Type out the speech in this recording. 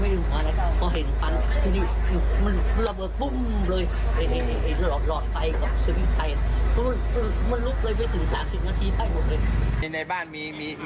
มีเรื่องมากกว่าก็ไม่รู้เพราะว่าของนักรูเป็นเส้นแล้วมันมี๓๐บาท